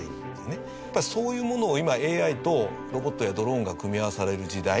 そういうものを今ＡＩとロボットやドローンが組み合わされる時代